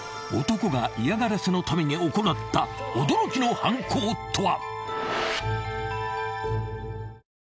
［男が嫌がらせのために行った驚きの犯行とは］